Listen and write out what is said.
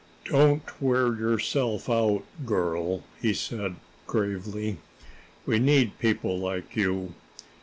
"Don't wear yourself out, girl," he said gravely. "We need people like you.